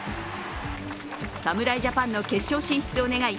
侍ジャパンの決勝進出を願い